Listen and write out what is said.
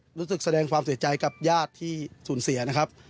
รู้สึกแสดงความเสียใจกับญาติที่สูญเสียนะครับ